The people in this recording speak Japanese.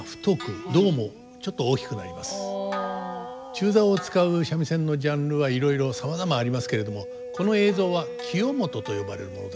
中棹を使う三味線のジャンルはいろいろさまざまありますけれどもこの映像は清元と呼ばれるものです。